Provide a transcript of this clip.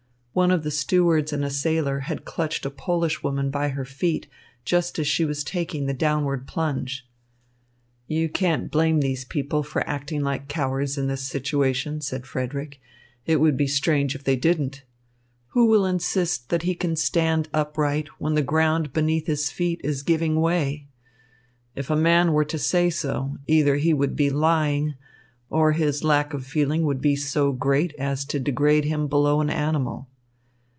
One of the stewards and a sailor had clutched a Polish woman by her feet just as she was taking the downward plunge. "You can't blame these people for acting like cowards in this situation," said Frederick. "It would be strange if they didn't. Who will insist that he can stand upright when the ground beneath his feet is giving away? If a man were to say so, either he would be lying, or his lack of feeling would be so great as to degrade him below an animal."